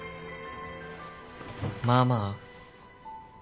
まあまあ。